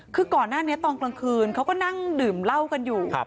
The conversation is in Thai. คือก่อนหน้านี้ตอนกลางคืนเขาก็นั่งดื่มเหล้ากันอยู่